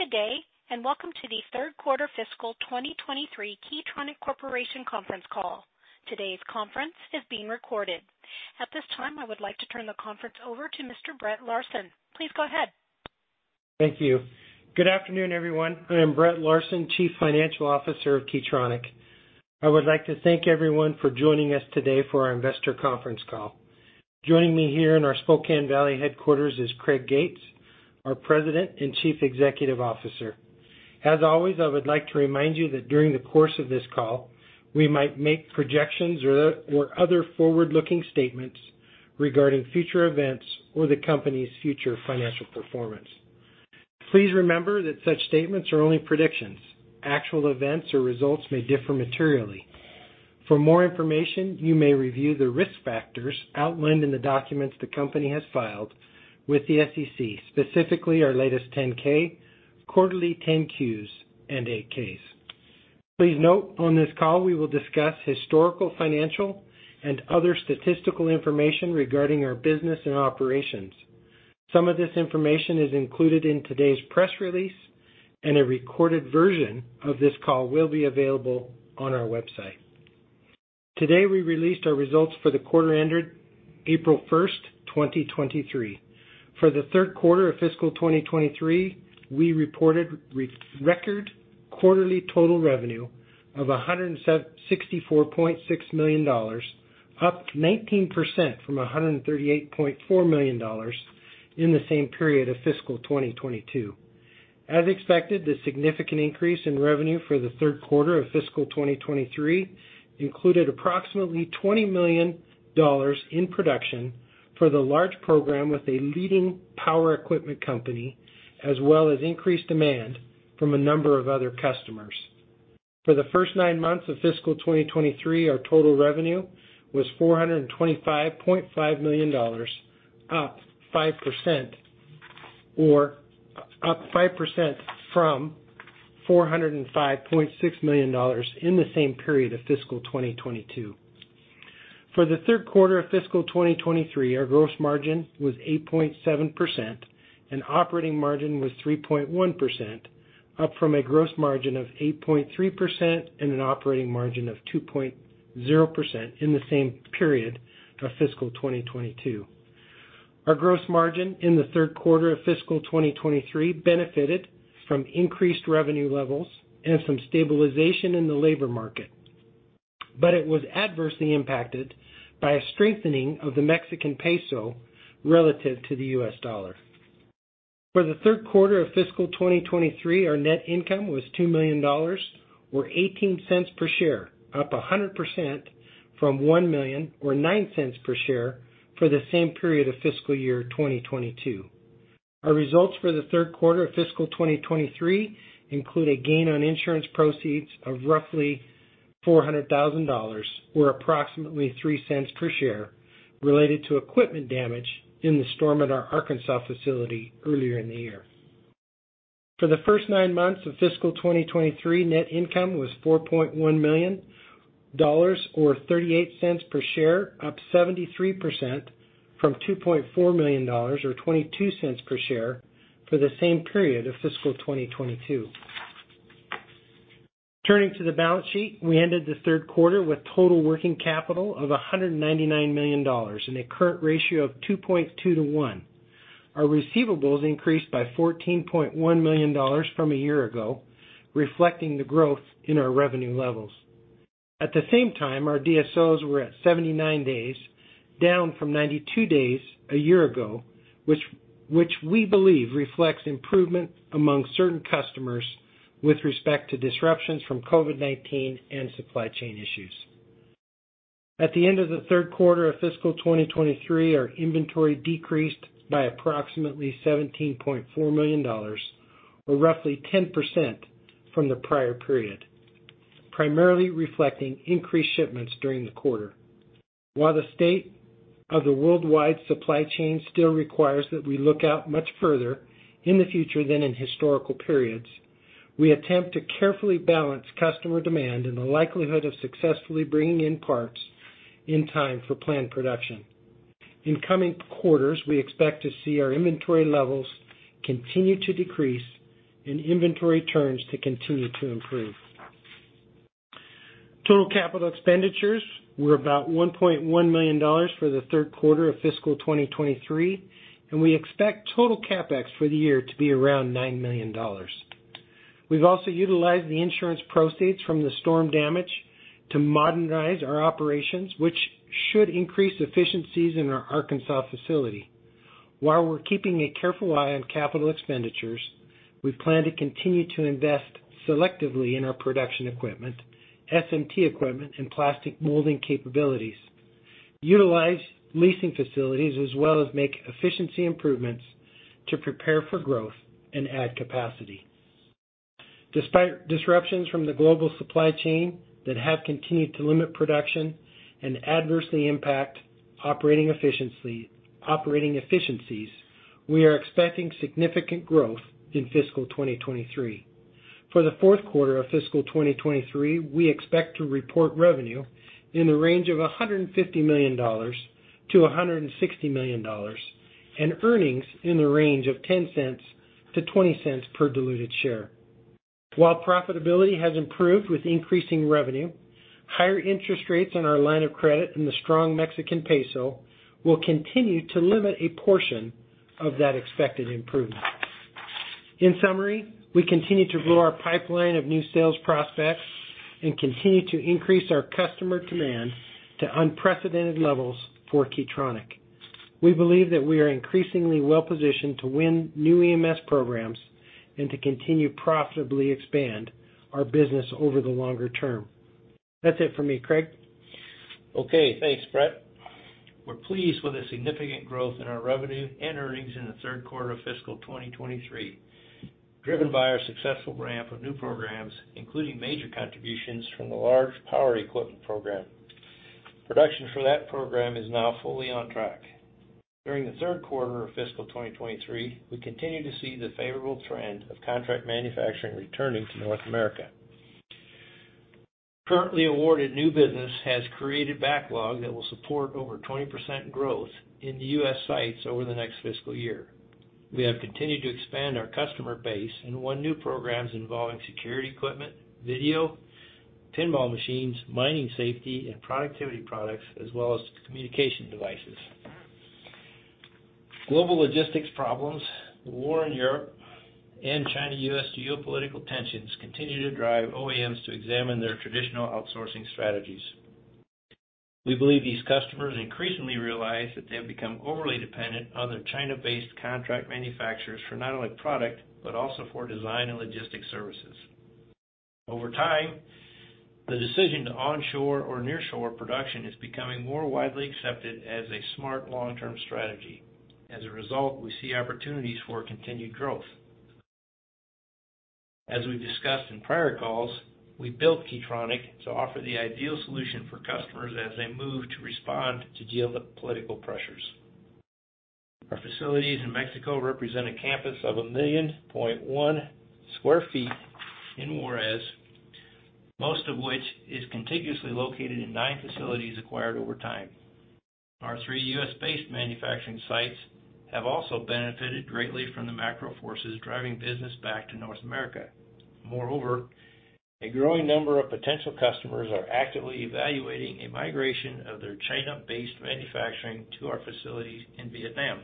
Good day, welcome to the third quarter fiscal 2023 Key Tronic Corporation conference call. Today's conference is being recorded. At this time, I would like to turn the conference over to Mr. Brett Larsen. Please go ahead. Thank you. Good afternoon, everyone. I am Brett Larsen, Chief Financial Officer of Key Tronic. I would like to thank everyone for joining us today for our investor conference call. Joining me here in our Spokane Valley headquarters is Craig Gates, our President and Chief Executive Officer. Always, I would like to remind you that during the course of this call, we might make projections or other forward-looking statements regarding future events or the company's future financial performance. Please remember that such statements are only predictions. Actual events or results may differ materially. For more information, you may review the risk factors outlined in the documents the company has filed with the SEC, specifically our latest 10-K, quarterly 10-Qs, and 8-Ks. Please note, on this call, we will discuss historical, financial, and other statistical information regarding our business and operations. Some of this information is included in today's press release, and a recorded version of this call will be available on our website. Today, we released our results for the quarter ended April 1st, 2023. For the third quarter of fiscal 2023, we reported record quarterly total revenue of $164.6 million, up 19% from $138.4 million in the same period of fiscal 2022. As expected, the significant increase in revenue for the third quarter of fiscal 2023 included approximately $20 million in production for the large program with a leading power equipment company, as well as increased demand from a number of other customers. For the first nine months of fiscal 2023, our total revenue was $425.5 million, up 5% from $405.6 million in the same period of fiscal 2022. For the third quarter of fiscal 2023, our gross margin was 8.7%, and operating margin was 3.1%, up from a gross margin of 8.3% and an operating margin of 2.0% in the same period of fiscal 2022. Our gross margin in the third quarter of fiscal 2023 benefited from increased revenue levels and some stabilization in the labor market. It was adversely impacted by a strengthening of the Mexican peso relative to the US dollar. For the third quarter of fiscal 2023, our net income was $2 million, or $0.18 per share, up 100% from $1 million or $0.09 per share for the same period of fiscal year 2022. Our results for the third quarter of fiscal 2023 include a gain on insurance proceeds of roughly $400,000 or approximately $0.03 per share related to equipment damage in the storm at our Arkansas facility earlier in the year. For the first nine months of fiscal 2023, net income was $4.1 million or $0.38 per share, up 73% from $2.4 million or $0.22 per share for the same period of fiscal 2022. Turning to the balance sheet, we ended the third quarter with total working capital of $199 million and a current ratio of 2.2-one. Our receivables increased by $14.1 million from a year ago, reflecting the growth in our revenue levels. At the same time, our DSOs were at 79 days, down from 92 days a year ago, which we believe reflects improvement among certain customers with respect to disruptions from COVID-19 and supply chain issues. At the end of the third quarter of fiscal 2023, our inventory decreased by approximately $17.4 million or roughly 10% from the prior period, primarily reflecting increased shipments during the quarter. While the state of the worldwide supply chain still requires that we look out much further in the future than in historical periods, we attempt to carefully balance customer demand and the likelihood of successfully bringing in parts in time for planned production. In coming quarters, we expect to see our inventory levels continue to decrease and inventory turns to continue to improve. Total capital expenditures were about $1.1 million for the third quarter of fiscal 2023. We expect total CapEx for the year to be around $9 million. We've also utilized the insurance proceeds from the storm damage to modernize our operations, which should increase efficiencies in our Arkansas facility. While we're keeping a careful eye on capital expenditures, we plan to continue to invest selectively in our production equipment, SMT equipment, and plastic molding capabilities, utilize leasing facilities, as well as make efficiency improvements to prepare for growth and add capacity. Despite disruptions from the global supply chain that have continued to limit production and adversely impact operating efficiencies, we are expecting significant growth in fiscal 2023. For the fourth quarter of fiscal 2023, we expect to report revenue in the range of $150 million-$160 million, and earnings in the range of $0.10-$0.20 per diluted share. While profitability has improved with increasing revenue, higher interest rates on our line of credit and the strong Mexican peso will continue to limit a portion of that expected improvement. In summary, we continue to grow our pipeline of new sales prospects and continue to increase our customer demand to unprecedented levels for Key Tronic. We believe that we are increasingly well-positioned to win new EMS programs and to continue to profitably expand our business over the longer term. That's it for me, Craig. Okay, thanks, Brett. We're pleased with the significant growth in our revenue and earnings in the third quarter of fiscal 2023, driven by our successful ramp of new programs, including major contributions from the large power equipment program. Production for that program is now fully on track. During the third quarter of fiscal 2023, we continue to see the favorable trend of contract manufacturing returning to North America. Currently awarded new business has created backlog that will support over 20% growth in the U.S. sites over the next fiscal year. We have continued to expand our customer base and won new programs involving security equipment, video, pinball machines, mining safety, and productivity products, as well as communication devices. Global logistics problems, the war in Europe, and China-US geopolitical tensions continue to drive OEMs to examine their traditional outsourcing strategies. We believe these customers increasingly realize that they have become overly dependent on their China-based contract manufacturers for not only product, but also for design and logistics services. Over time, the decision to onshore or nearshore production is becoming more widely accepted as a smart long-term strategy. As a result, we see opportunities for continued growth. As we've discussed in prior calls, we built Key Tronic to offer the ideal solution for customers as they move to respond to geopolitical pressures. Our facilities in Mexico represent a campus of 1.1 million square feet in Juarez, most of which is contiguously located in nine facilities acquired over time. Our three US-based manufacturing sites have also benefited greatly from the macro forces driving business back to North America. Moreover, a growing number of potential customers are actively evaluating a migration of their China-based manufacturing to our facilities in Vietnam.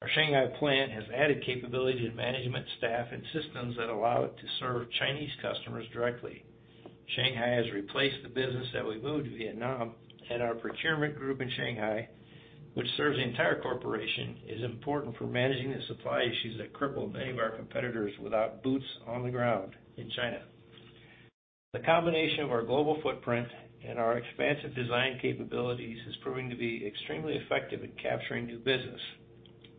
Our Shanghai plant has added capability to management, staff, and systems that allow it to serve Chinese customers directly. Shanghai has replaced the business that we moved to Vietnam. Our procurement group in Shanghai, which serves the entire corporation, is important for managing the supply issues that crippled many of our competitors without boots on the ground in China. The combination of our global footprint and our expansive design capabilities is proving to be extremely effective in capturing new business.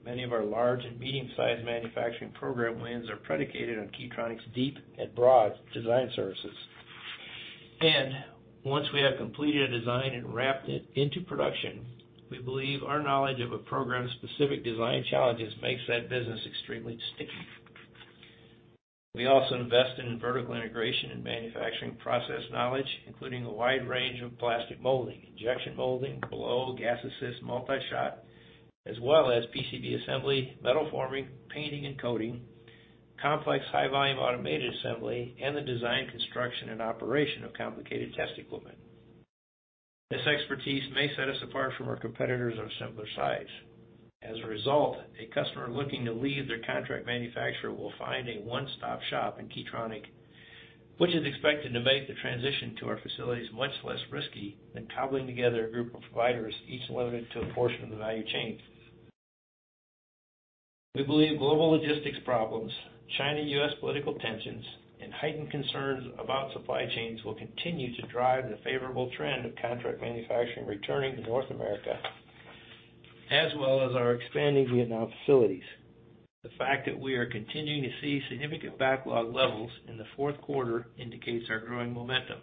Many of our large and medium-sized manufacturing program wins are predicated on Key Tronic's deep and broad design services. Once we have completed a design and wrapped it into production, we believe our knowledge of a program's specific design challenges makes that business extremely sticky. We also invested in vertical integration and manufacturing process knowledge, including a wide range of plastic molding, injection molding, blow, gas assist, multi-shot, as well as PCB assembly, metal forming, painting and coating, complex high volume automated assembly, and the design, construction, and operation of complicated test equipment. This expertise may set us apart from our competitors of similar size. As a result, a customer looking to leave their contract manufacturer will find a one-stop shop in Key Tronic, which is expected to make the transition to our facilities much less risky than cobbling together a group of providers, each limited to a portion of the value chain. We believe global logistics problems, China-US political tensions, and heightened concerns about supply chains will continue to drive the favorable trend of contract manufacturing returning to North America, as well as our expanding Vietnam facilities. The fact that we are continuing to see significant backlog levels in the fourth quarter indicates our growing momentum.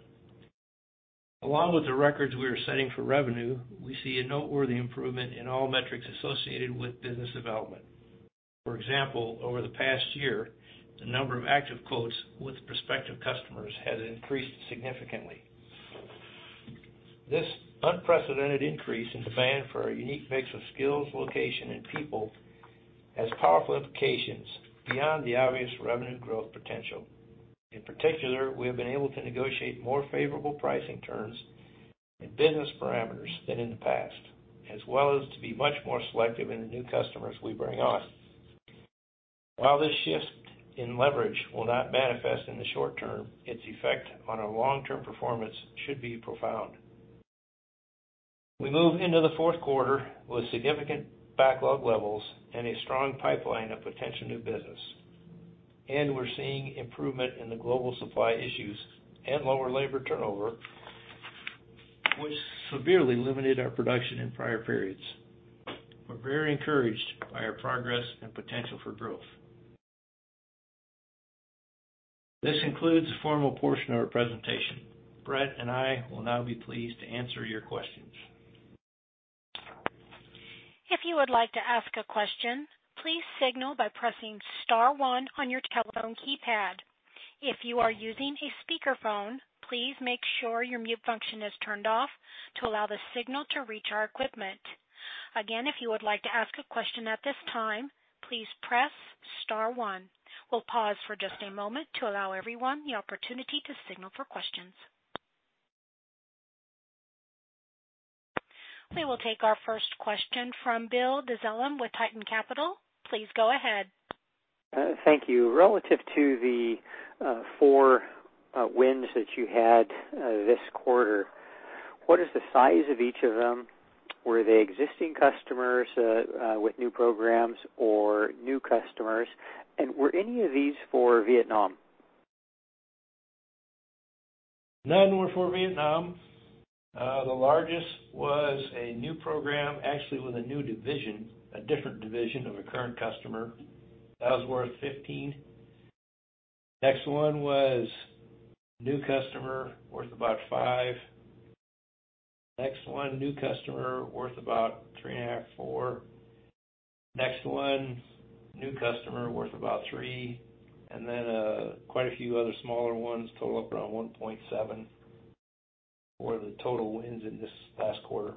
Along with the records we are setting for revenue, we see a noteworthy improvement in all metrics associated with business development. For example, over the past year, the number of active quotes with prospective customers has increased significantly. This unprecedented increase in demand for our unique mix of skills, location, and people has powerful implications beyond the obvious revenue growth potential. In particular, we have been able to negotiate more favorable pricing terms and business parameters than in the past, as well as to be much more selective in the new customers we bring on. While this shift in leverage will not manifest in the short term, its effect on our long-term performance should be profound. We move into the fourth quarter with significant backlog levels and a strong pipeline of potential new business. We're seeing improvement in the global supply issues and lower labor turnover, which severely limited our production in prior periods. We're very encouraged by our progress and potential for growth. This concludes the formal portion of our presentation. Brett and I will now be pleased to answer your questions. If you would like to ask a question, please signal by pressing star one on your telephone keypad. If you are using a speakerphone, please make sure your mute function is turned off to allow the signal to reach our equipment. Again, if you would like to ask a question at this time, please press star one. We'll pause for just a moment to allow everyone the opportunity to signal for questions. We will take our first question from Bill Dezellem with Tieton Capital. Please go ahead. Thank you. Relative to the four wins that you had this quarter, what is the size of each of them? Were they existing customers with new programs or new customers? Were any of these for Vietnam? None were for Vietnam. The largest was a new program, actually, with a new division, a different division of a current customer. That was worth $15. Next one was new customer worth about $5. Next one, new customer worth about $3.5, $4. Next one, new customer worth about $3. Then quite a few other smaller ones total up around $1.7 for the total wins in this last quarter.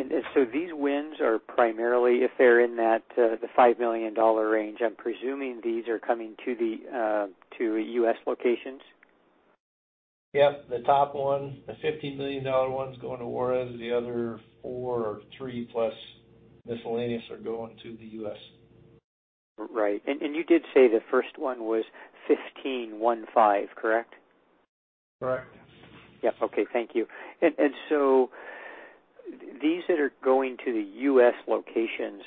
These wins are primarily if they're in that, the $5 million range, I'm presuming these are coming to the, to U.S. locations? Yep. The top one, the $50 million one's going to Juarez. The other four or three plus miscellaneous are going to the U.S. Right. you did say the first one was 15, one five, correct? Correct. Yep. Okay. Thank you. So these that are going to the U.S. locations,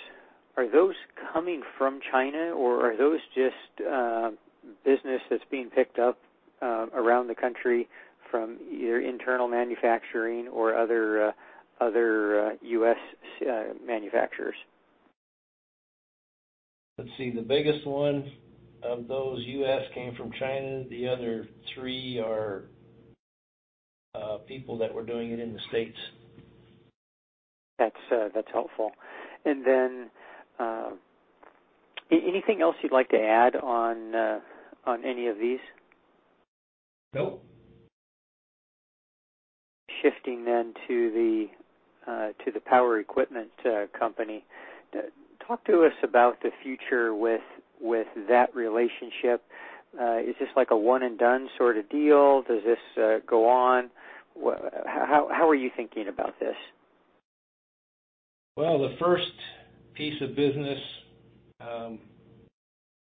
are those coming from China, or are those just business that's being picked up around the country from either internal manufacturing or other US manufacturers? Let's see. The biggest one of those U.S. came from China. The other three are people that were doing it in the States. That's, that's helpful. Anything else you'd like to add on any of these? Nope. Shifting to the power equipment company. Talk to us about the future with that relationship. Is this like a one and done sort of deal? Does this go on? Well, how are you thinking about this? The first piece of business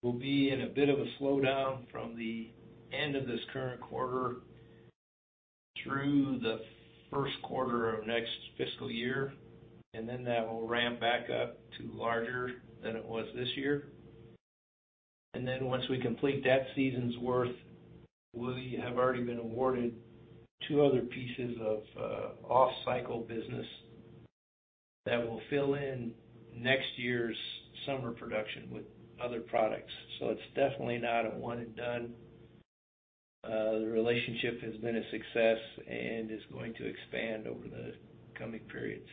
will be in a bit of a slowdown from the end of this current quarter through the first quarter of next fiscal year. That will ramp back up to larger than it was this year. Once we complete that season's worth, we have already been awarded two other pieces of off-cycle business that will fill in next year's summer production with other products. It's definitely not a one and done. The relationship has been a success and is going to expand over the coming periods.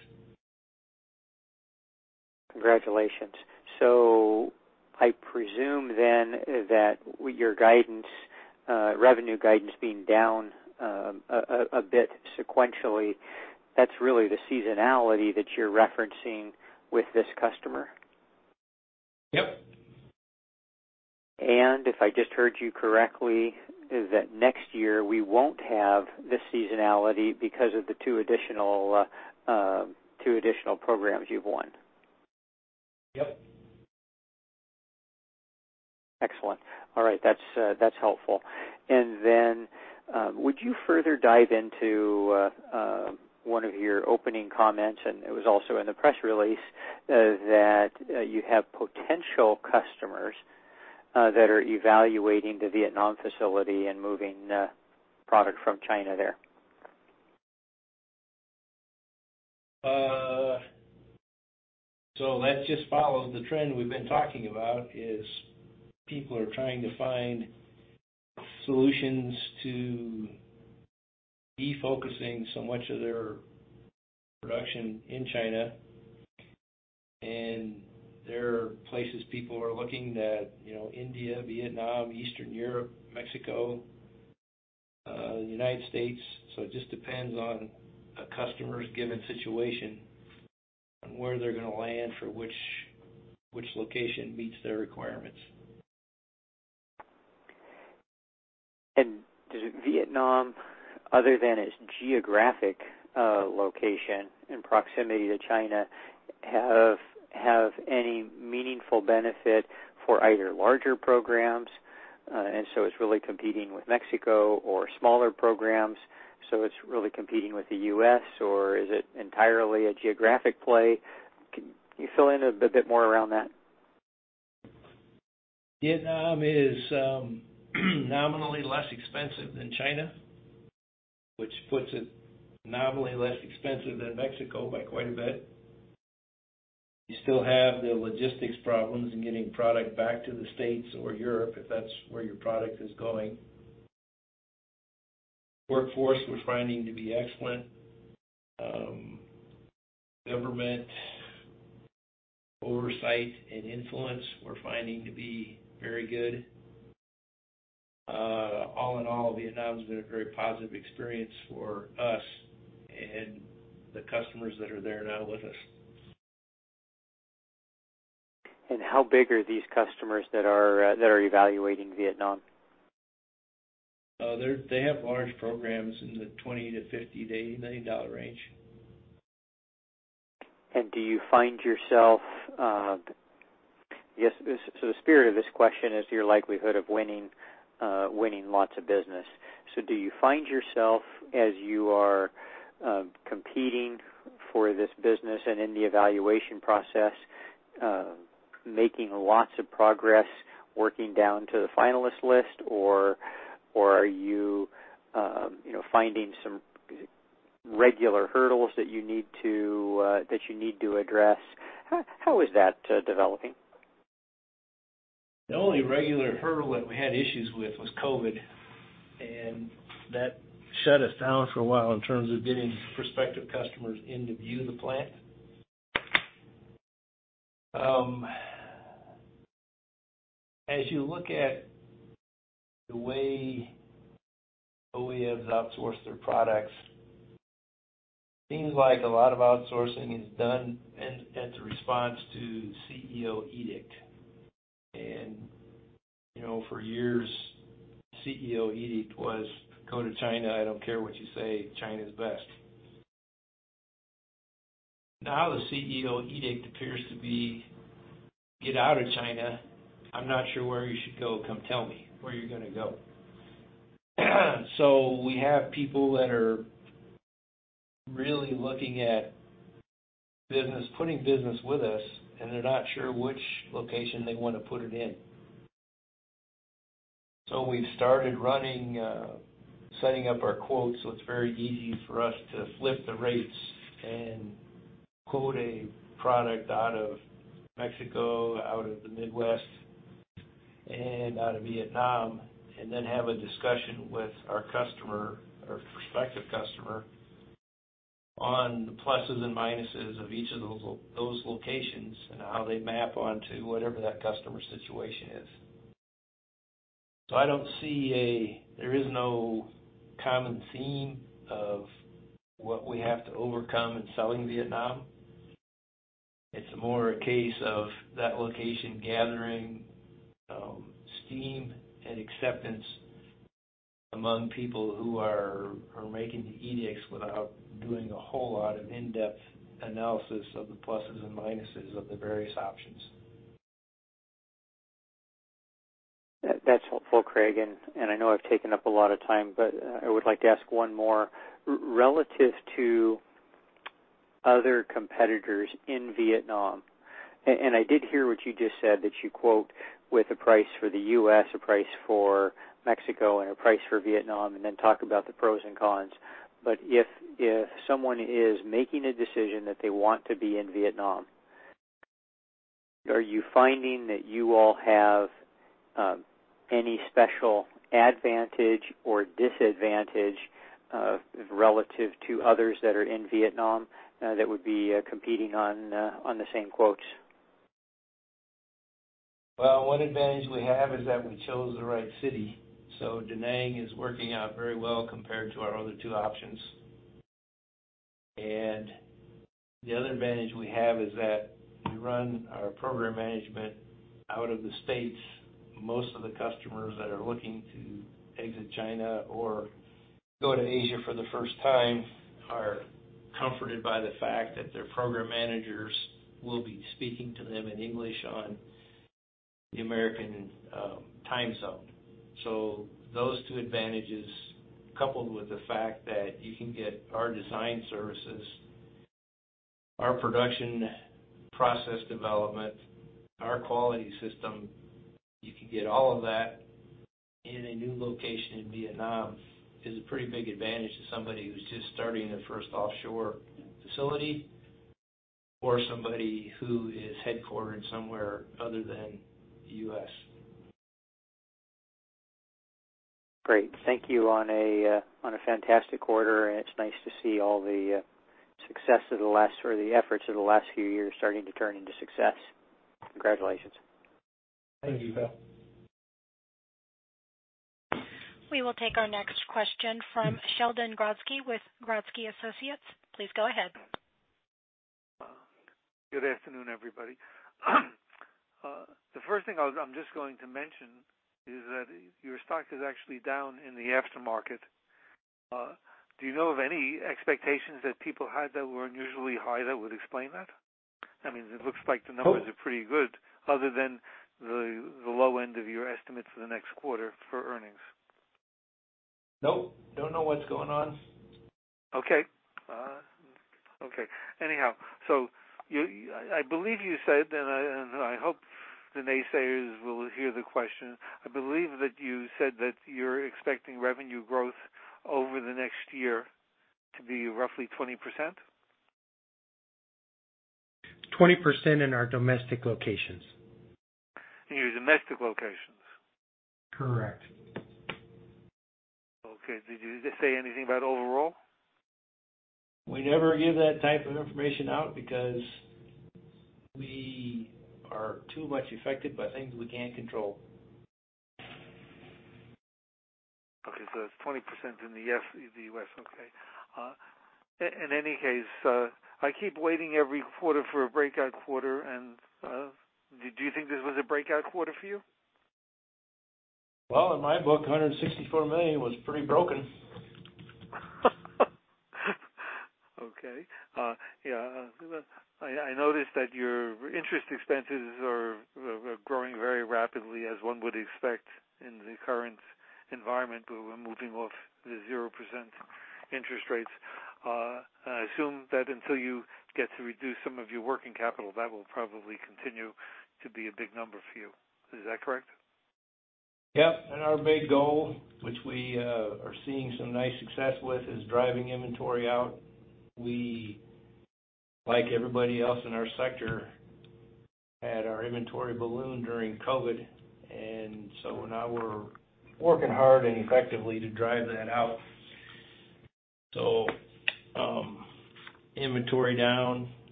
Congratulations. I presume then that your guidance, revenue guidance being down a bit sequentially, that's really the seasonality that you're referencing with this customer? Yep. If I just heard you correctly, is that next year we won't have the seasonality because of the two additional programs you've won? Yep. Excellent. All right. That's, that's helpful. Would you further dive into one of your opening comments, and it was also in the press release, that you have potential customers that are evaluating the Vietnam facility and moving product from China there. That just follows the trend we've been talking about, is people are trying to find solutions to defocusing so much of their production in China. There are places people are looking that, you know, India, Vietnam, Eastern Europe, Mexico, the United States. It just depends on a customer's given situation on where they're going to land for which location meets their requirements. Does Vietnam, other than its geographic, location and proximity to China, have any meaningful benefit for either larger programs, and so it's really competing with Mexico or smaller programs, so it's really competing with the U.S., or is it entirely a geographic play? Can you fill in a bit more around that? Vietnam is nominally less expensive than China, which puts it nominally less expensive than Mexico by quite a bit. You still have the logistics problems in getting product back to the States or Europe, if that's where your product is going. Workforce, we're finding to be excellent. Government oversight and influence, we're finding to be very good. All in all, Vietnam's been a very positive experience for us and the customers that are there now with us. how big are these customers that are evaluating Vietnam? They have large programs in the $20 million-$50 million-$80 million range. Do you find yourself... Yes. The spirit of this question is your likelihood of winning lots of business. Do you find yourself, as you are, competing for this business and in the evaluation process, making lots of progress working down to the finalist list or are you know, finding some regular hurdles that you need to, that you need to address? How is that developing? The only regular hurdle that we had issues with was COVID, and that shut us down for a while in terms of getting prospective customers in to view the plant. As you look at the way OEMs outsource their products, seems like a lot of outsourcing is done in, as a response to CEO edict. You know, for years, CEO edict was, "Go to China. I don't care what you say. China's best." The CEO edict appears to be, "Get out of China. I'm not sure where you should go. Come tell me where you're gonna go." We have people that are really looking at business, putting business with us, and they're not sure which location they wanna put it in. We've started running, setting up our quotes so it's very easy for us to flip the rates and quote a product out of Mexico, out of the Midwest, and out of Vietnam, and then have a discussion with our customer or prospective customer on the pluses and minuses of each of those those locations and how they map onto whatever that customer's situation is. I don't see. There is no common theme of what we have to overcome in selling Vietnam. It's more a case of that location gathering, steam and acceptance among people who are making the edicts without doing a whole lot of in-depth analysis of the pluses and minuses of the various options. That's helpful, Craig, and I know I've taken up a lot of time, but I would like to ask one more. Relative to other competitors in Vietnam, and I did hear what you just said, that you quote with a price for the U.S., a price for Mexico, and a price for Vietnam, and then talk about the pros and cons. If someone is making a decision that they want to be in Vietnam, are you finding that you all have any special advantage or disadvantage relative to others that are in Vietnam that would be competing on the same quotes? One advantage we have is that we chose the right city. Da Nang is working out very well compared to our other two options. The other advantage we have is that we run our program management out of the States. Most of the customers that are looking to exit China or go to Asia for the first time are comforted by the fact that their program managers will be speaking to them in English on the American time zone. Those two advantages, coupled with the fact that you can get our design services, our production process development, our quality system, you can get all of that in a new location in Vietnam, is a pretty big advantage to somebody who's just starting their first offshore facility or somebody who is headquartered somewhere other than the U.S. Great. Thank you on a, on a fantastic quarter, and it's nice to see all the success of the last or the efforts of the last few years starting to turn into success. Congratulations. Thank you, Bill. We will take our next question from Sheldon Grodsky with Grodsky Associates. Please go ahead. Good afternoon, everybody. The first thing I'm just going to mention is that your stock is actually down in the aftermarket. Do you know of any expectations that people had that were unusually high that would explain that? I mean, it looks like the numbers are pretty good other than the low end of your estimate for the next quarter for earnings. Nope. Don't know what's going on. Okay. Okay. Anyhow, I believe you said, and I hope the naysayers will hear the question. I believe that you said that you're expecting revenue growth over the next year to be roughly 20%. 20% in our domestic locations. In your domestic locations? Correct. Okay. Did you say anything about overall? We never give that type of information out because we are too much affected by things we can't control. Okay. It's 20% in the U.S. Okay. In any case, I keep waiting every quarter for a breakout quarter and did you think this was a breakout quarter for you? Well, in my book, $164 million was pretty broken. Okay. Yeah, I noticed that your interest expenses are growing very rapidly as one would expect in the current environment where we're moving off the 0% interest rates. I assume that until you get to reduce some of your working capital, that will probably continue to be a big number for you. Is that correct? Yep. Our big goal, which we are seeing some nice success with, is driving inventory out. We, like everybody else in our sector, had our inventory balloon during COVID, now we're working hard and effectively to drive that out. Inventory down,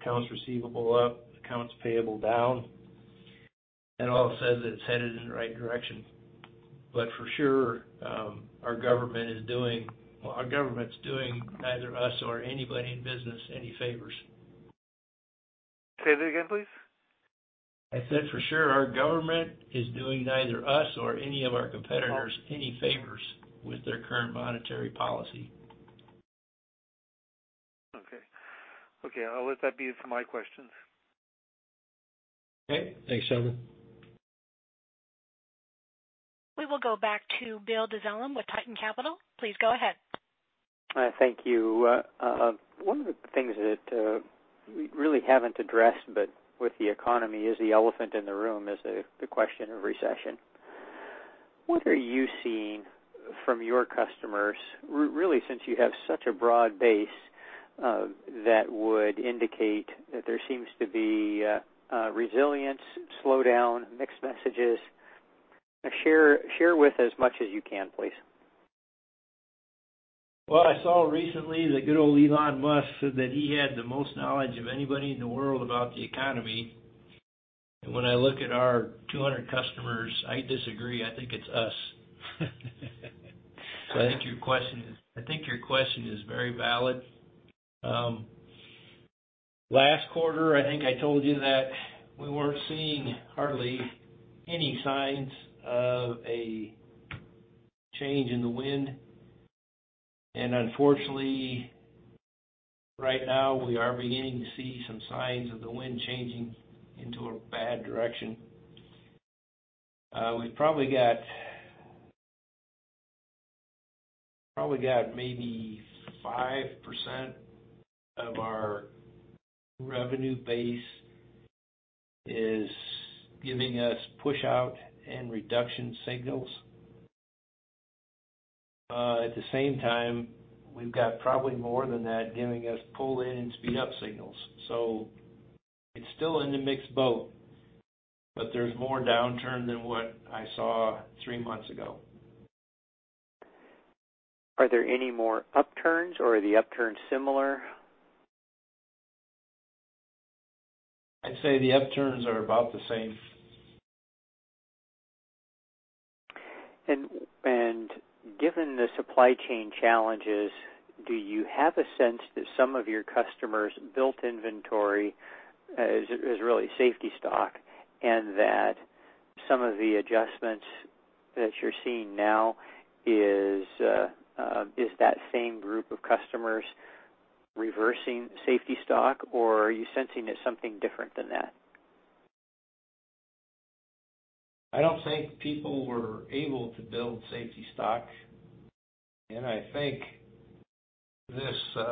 accounts receivable up, accounts payable down. It all says it's headed in the right direction. For sure, our government's doing neither us or anybody in business any favors. Say that again, please. I said for sure our government is doing neither us or any of our competitors any favors with their current monetary policy. Okay. Okay, I'll let that be it for my questions. Okay. Thanks, Sheldon. We will go back to Bill Dezellem with Tieton Capital. Please go ahead. Thank you. One of the things that we really haven't addressed, but with the economy is the elephant in the room is the question of recession. What are you seeing from your customers, really, since you have such a broad base, that would indicate that there seems to be a resilience, slowdown, mixed messages? Share, share with as much as you can, please. I saw recently that good old Elon Musk said that he had the most knowledge of anybody in the world about the economy. When I look at our 200 customers, I disagree. I think it's us. Okay. I think your question is very valid. Last quarter, I think I told you that we weren't seeing hardly any signs of a change in the wind. Unfortunately, right now we are beginning to see some signs of the wind changing into a bad direction. We've probably got maybe 5% of our revenue base is giving us push out and reduction signals. At the same time, we've got probably more than that giving us pull in and speed up signals. It's still in the mixed boat, but there's more downturn than what I saw three months ago. Are there any more upturns or are the upturns similar? I'd say the upturns are about the same. Given the supply chain challenges, do you have a sense that some of your customers' built inventory is really safety stock, and that some of the adjustments that you're seeing now is that same group of customers reversing safety stock, or are you sensing it's something different than that? I don't think people were able to build safety stock, I think this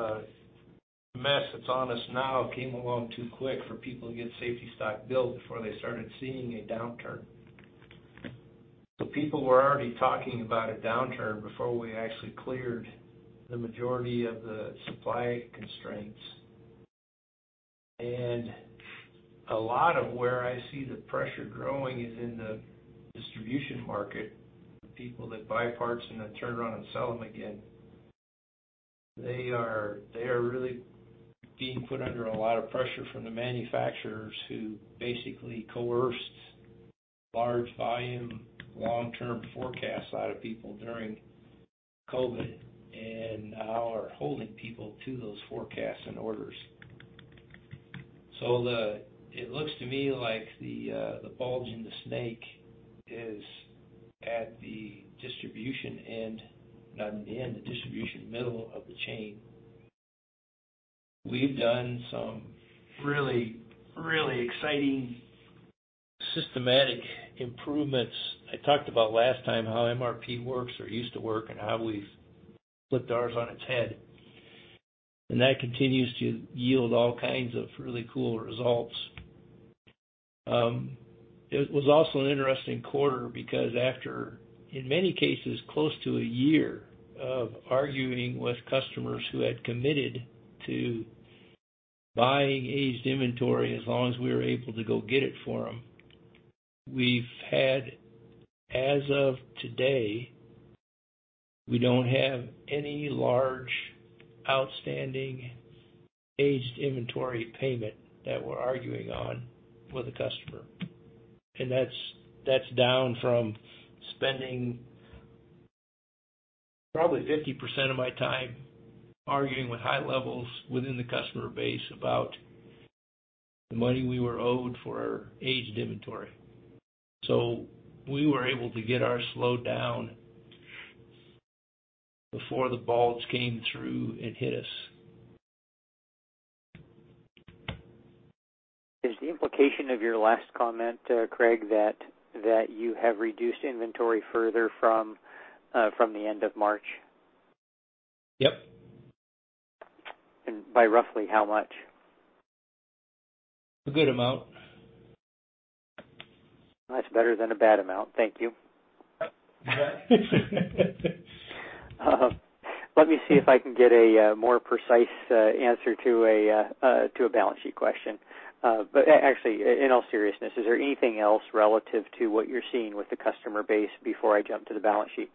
mess that's on us now came along too quick for people to get safety stock built before they started seeing a downturn. People were already talking about a downturn before we actually cleared the majority of the supply constraints. A lot of where I see the pressure growing is in the distribution market, the people that buy parts and then turn around and sell them again. They are really being put under a lot of pressure from the manufacturers who basically coerced large volume, long-term forecasts out of people during COVID, and now are holding people to those forecasts and orders. It looks to me like the bulge in the snake is at the distribution end, not in the end, the distribution middle of the chain. We've done some really, really exciting systematic improvements. I talked about last time how MRP works or used to work and how we've flipped ours on its head, and that continues to yield all kinds of really cool results. It was also an interesting quarter because after, in many cases, close to a year of arguing with customers who had committed to buying aged inventory, as long as we were able to go get it for them, we've had as of today, we don't have any large outstanding aged inventory payment that we're arguing on with a customer. That's down from spending probably 50% of my time arguing with high levels within the customer base about the money we were owed for our aged inventory. We were able to get our slowdown before the bulge came through and hit us. Is the implication of your last comment, Craig, that you have reduced inventory further from the end of March? Yep. By roughly how much? A good amount. That's better than a bad amount. Thank you. Let me see if I can get a more precise answer to a balance sheet question. Actually, in all seriousness, is there anything else relative to what you're seeing with the customer base before I jump to the balance sheet?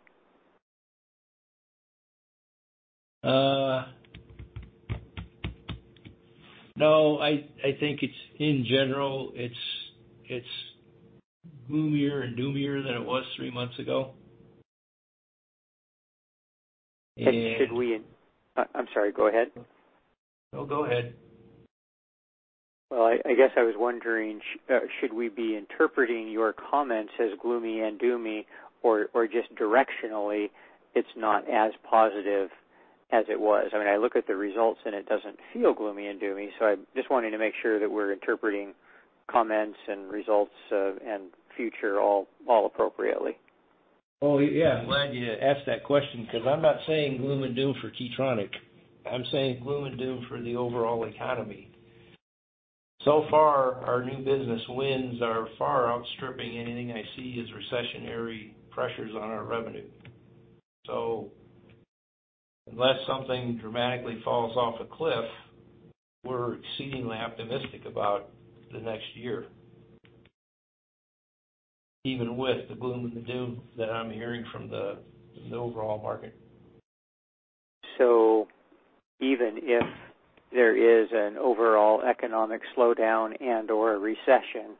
No, I think it's in general, it's gloomier and doomier than it was three months ago. I'm sorry. Go ahead. No, go ahead. I guess I was wondering, should we be interpreting your comments as gloomy and doomy, or just directionally, it's not as positive as it was? I mean, I look at the results, and it doesn't feel gloomy and doomy. I just wanted to make sure that we're interpreting comments and results, and future all appropriately. Well, yeah, I'm glad you asked that question, 'cause I'm not saying gloom and doom for Key Tronic. I'm saying gloom and doom for the overall economy. So far, our new business wins are far outstripping anything I see as recessionary pressures on our revenue. Unless something dramatically falls off a cliff, we're exceedingly optimistic about the next year, even with the gloom and the doom that I'm hearing from the overall market. Even if there is an overall economic slowdown and/or a recession,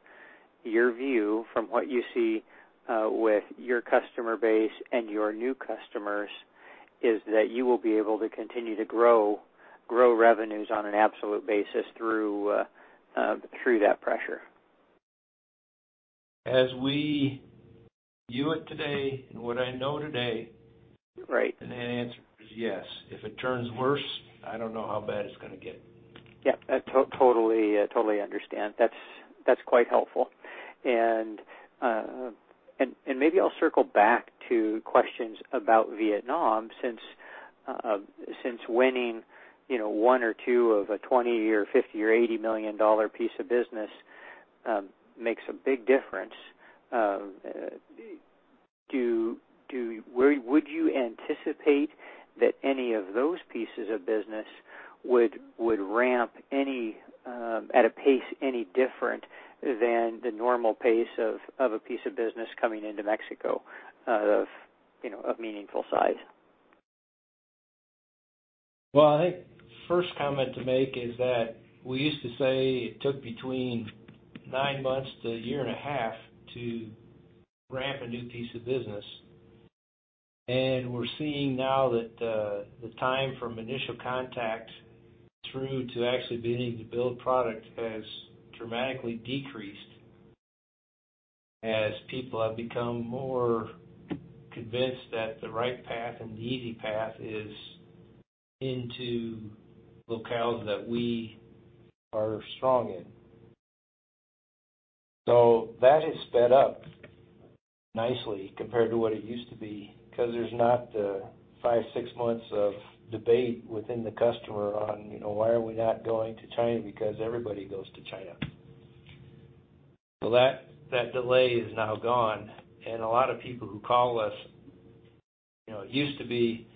your view from what you see with your customer base and your new customers is that you will be able to continue to grow revenues on an absolute basis through that pressure. As we view it today and what I know today. Right That answer is yes. If it turns worse, I don't know how bad it's gonna get. Yeah. I totally understand. That's quite helpful. Maybe I'll circle back to questions about Vietnam since winning, you know, one or two of a $20 million or $50 million or $80 million piece of business makes a big difference. Would you anticipate that any of those pieces of business would ramp any at a pace any different than the normal pace of a piece of business coming into Mexico, you know, of meaningful size? I think first comment to make is that we used to say it took between nine months to a year and a half to ramp a new piece of business. We're seeing now that the time from initial contact through to actually beginning to build product has dramatically decreased as people have become more convinced that the right path and the easy path is into locales that we are strong in. That has sped up nicely compared to what it used to be because there's not the five, six months of debate within the customer on, you know, why are we not going to China, because everybody goes to China. That delay is now gone. A lot of people who call us, you know, it used to be,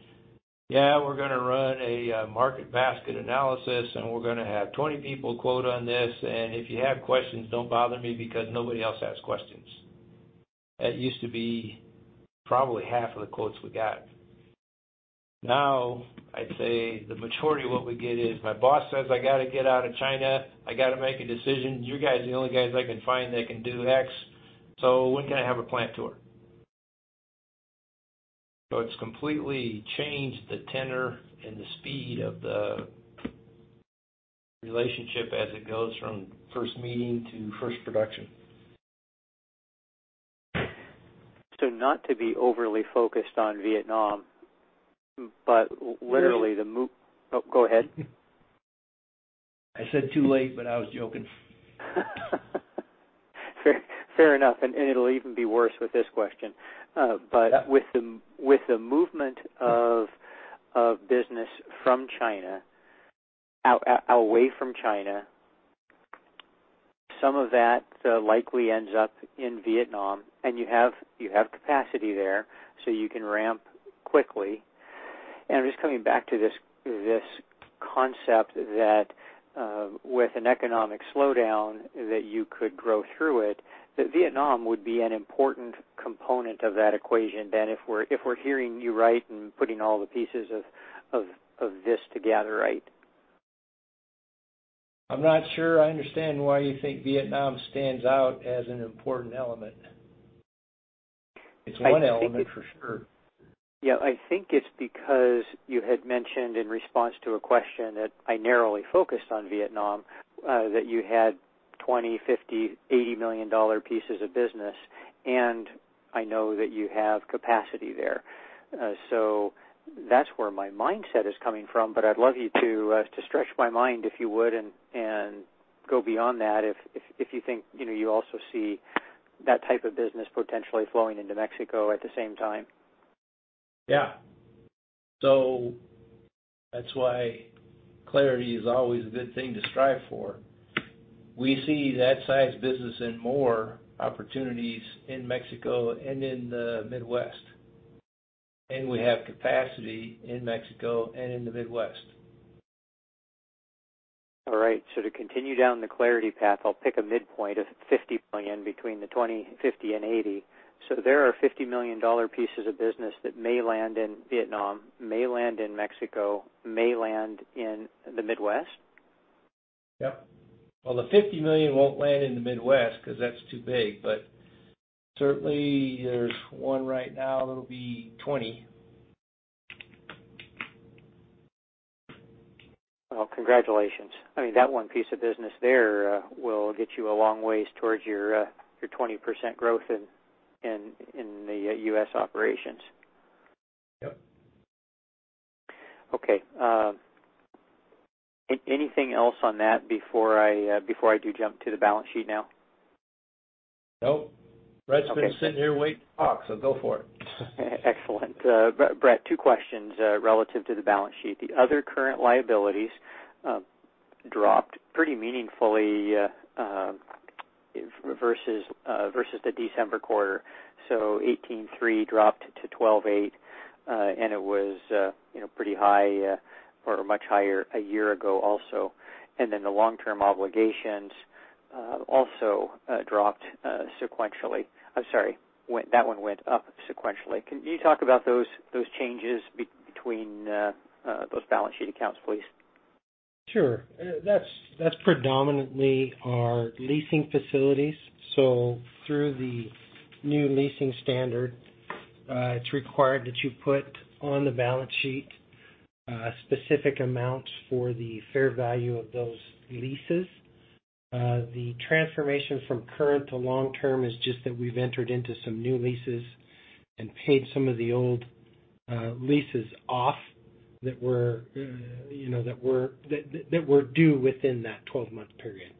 "Yeah, we're gonna run a market basket analysis, and we're gonna have 20 people quote on this. If you have questions, don't bother me because nobody else asks questions." That used to be probably half of the quotes we got. Now, I'd say the majority of what we get is, "My boss says I gotta get out of China. I gotta make a decision. You guys are the only guys I can find that can do X. When can I have a plant tour?" It's completely changed the tenor and the speed of the relationship as it goes from first meeting to first production. not to be overly focused on Vietnam, but literally the. You're- Oh, go ahead. I said too late, but I was joking. Fair enough, and it'll even be worse with this question. Yeah. With the movement of business away from China. Some of that likely ends up in Vietnam, and you have capacity there, so you can ramp quickly. Just coming back to this concept that with an economic slowdown that you could grow through it, that Vietnam would be an important component of that equation then, if we're hearing you right, and putting all the pieces of this together right. I'm not sure I understand why you think Vietnam stands out as an important element. It's one element for sure. Yeah. I think it's because you had mentioned in response to a question that I narrowly focused on Vietnam, that you had $20 million, $50 million, $80 million dollar pieces of business. I know that you have capacity there. That's where my mindset is coming from. I'd love you to stretch my mind, if you would, and go beyond that if you think, you know, you also see that type of business potentially flowing into Mexico at the same time. Yeah. That's why clarity is always a good thing to strive for. We see that size business and more opportunities in Mexico and in the Midwest. We have capacity in Mexico and in the Midwest. All right. To continue down the clarity path, I'll pick a midpoint of $50 million between the 20, 50 and 80. There are $50 million pieces of business that may land in Vietnam, may land in Mexico, may land in the Midwest? Yep. Well, the $50 million won't land in the Midwest 'cause that's too big. Certainly there's one right now that'll be $20. Well, congratulations. I mean, that one piece of business there, will get you a long ways towards your 20% growth in the U.S. operations. Yep. Okay, anything else on that before I, before I do jump to the balance sheet now? Nope. Brett's been sitting here waiting to talk. Go for it. Excellent. Brett, two questions relative to the balance sheet. The other current liabilities dropped pretty meaningfully versus the December quarter. $18.3 million dropped to $12.8 million, and it was, you know, pretty high or much higher a year ago also. The long-term obligations also dropped sequentially. I'm sorry, that one went up sequentially. Can you talk about those changes between those balance sheet accounts, please? Sure. That's predominantly our leasing facilities. Through the new leasing standard, it's required that you put on the balance sheet, specific amounts for the fair value of those leases. The transformation from current to long term is just that we've entered into some new leases and paid some of the old, leases off that were, you know, that were due within that 12-month period.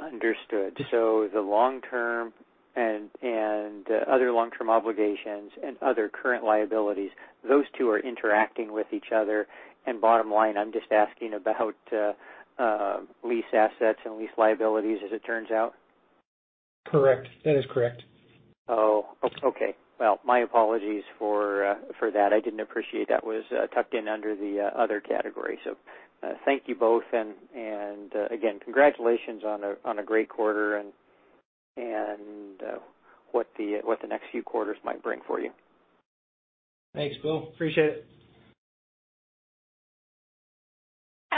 Understood. The long term and other long-term obligations and other current liabilities, those two are interacting with each other. Bottom line, I'm just asking about lease assets and lease liabilities as it turns out. Correct. That is correct. Oh, okay. Well, my apologies for that. I didn't appreciate that was tucked in under the other category. Thank you both, and, again, congratulations on a great quarter and, what the next few quarters might bring for you. Thanks, Bill. Appreciate it.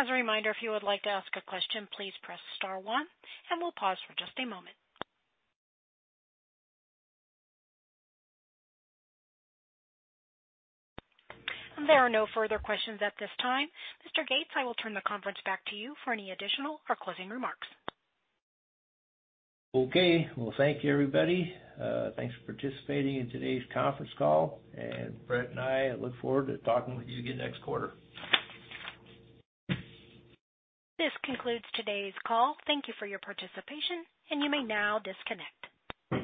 As a reminder, if you would like to ask a question, please press star one and we'll pause for just a moment. There are no further questions at this time. Mr. Gates, I will turn the conference back to you for any additional or closing remarks. Okay. Well, thank you, everybody. Thanks for participating in today's conference call. Brett and I look forward to talking with you again next quarter. This concludes today's call. Thank you for your participation, and you may now disconnect.